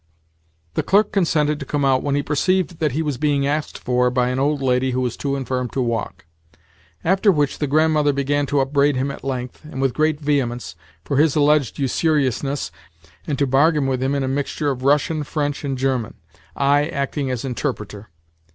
The clerk consented to come out when he perceived that he was being asked for by an old lady who was too infirm to walk; after which the Grandmother began to upbraid him at length, and with great vehemence, for his alleged usuriousness, and to bargain with him in a mixture of Russian, French, and German—I acting as interpreter.